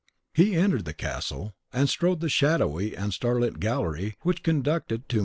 He entered the castle, and strode the shadowy and starlit gallery which conducted to Mejnour's apartment.